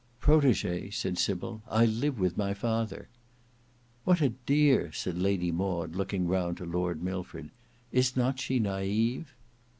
"Protege," said Sybil. "I live with my father." "What a dear!" said Lady Maud looking round to Lord Milford. "Is not she naive?"